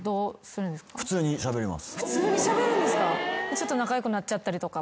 ちょっと仲良くなっちゃったりとかも？